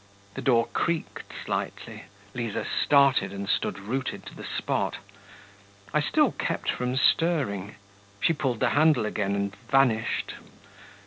The door creaked slightly. Liza started and stood rooted to the spot... I still kept from stirring ... she pulled the handle again and vanished.